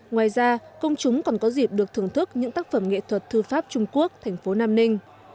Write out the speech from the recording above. ngoài ra công chúng còn có dịp được thưởng thức những tác phẩm nghệ thuật thư pháp trung quốc thành phố nam ninh